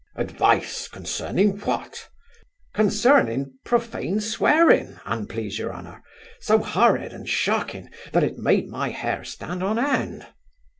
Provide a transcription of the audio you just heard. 'Advice! concerning what?' 'Concerning profane swearing, an please your honour; so horrid and shocking, that it made my hair stand on end.